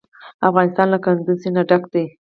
افغانستان له کندز سیند ډک دی.